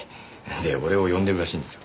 で俺を呼んでるらしいんですよ。